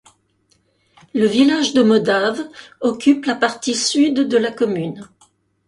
Le village de Modave occupe la partie sud de la commune.